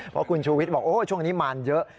เพราะคุณชูวิทย์บอกช่วงนี้มารเยอะ